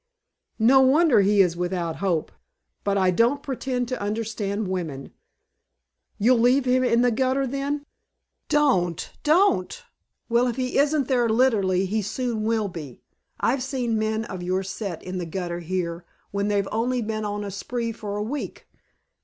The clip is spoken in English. "No wonder he is without hope! But I don't pretend to understand women. You'll leave him in the gutter then?" "Don't! Don't " "Well, if he isn't there literally he soon will be. I've seen men of your set in the gutter here when they'd only been on a spree for a week.